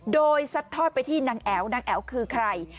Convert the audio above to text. โดยซัดทอดไปที่นางแอ๋วนางแอ๋วคือใคร